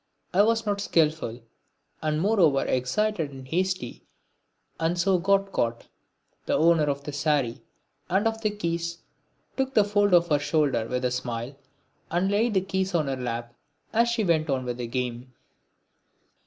I was not skilful, and moreover excited and hasty and so got caught. The owner of the sari and of the keys took the fold off her shoulder with a smile, and laid the keys on her lap as she went on with the game.